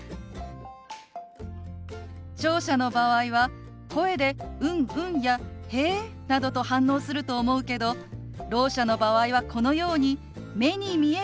聴者の場合は声で「うんうん」や「へえ」などと反応すると思うけどろう者の場合はこのように目に見える意思表示をすることが大切なのよ。